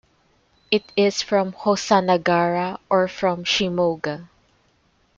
It is from Hosanagara or from Shimoga.